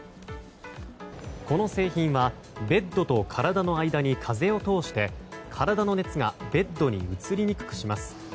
この製品はベッドと体の間に風を通して体の熱がベッドに移りにくくします。